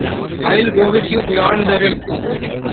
I will go with you beyond the rim.